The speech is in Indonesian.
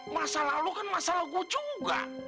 masalah lo kan masalah gue juga